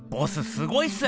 すごいっす！